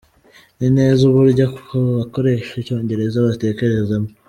Nzi neza uburyo abakoresha Icyongereza batekerezamo.